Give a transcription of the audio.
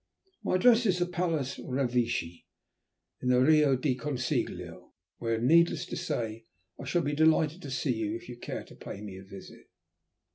My address is the Palace Revecce, in the Rio del Consiglio, where, needless to say, I shall be delighted to see you if you care to pay me a visit."